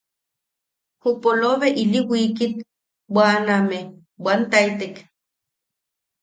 Ju polobe ili wiikit bwaʼawame bwantaitek.